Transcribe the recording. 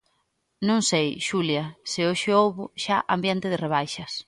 Non sei, Xulia, se hoxe houbo xa ambiente de rebaixas.